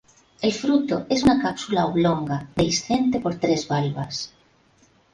El fruto es una cápsula oblonga, dehiscente por tres valvas.